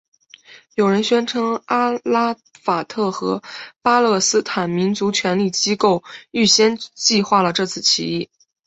有人宣称阿拉法特和巴勒斯坦民族权力机构预先计划了这次起义。